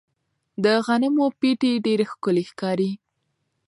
د غنمو پټي ډېر ښکلي ښکاري.